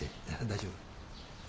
大丈夫。